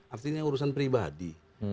artinya urusan pribadi